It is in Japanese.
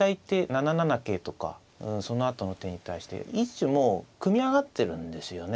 ７七桂とかそのあとの手に対して一種もう組み上がってるんですよね。